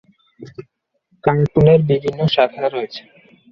কার্টুনের বিভিন্ন শাখা রয়েছে।